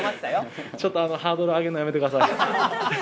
ちょっとハードルを上げるのやめてください。